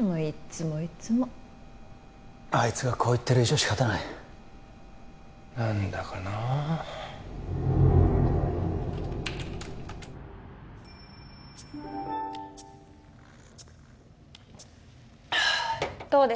もういっつもいっつもあいつがこう言ってる以上仕方ない何だかなああどうです？